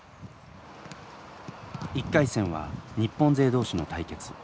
１回戦は日本勢同士の対決。